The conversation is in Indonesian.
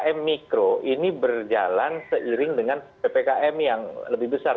karena ppkm mikro ini berjalan seiring dengan ppkm yang lebih besar